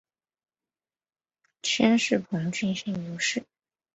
先世彭城郡刘氏。